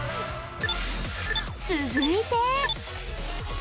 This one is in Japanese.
続いて。